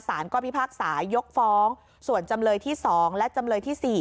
สารก็พิพากษายกฟ้องส่วนจำเลยที่๒และจำเลยที่๔